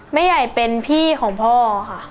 แม่ใหญ่เป็นพี่ของพ่อค่ะ